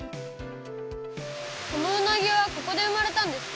このうなぎはここで生まれたんですか？